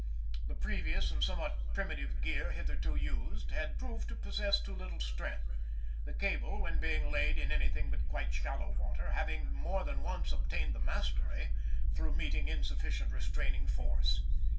The previous, and somewhat primitive, gear hitherto used had proved to possess too little strength, the cable when being laid in anything but quite shallow water having more than once obtained the mastery, through meeting insufficient restraining force.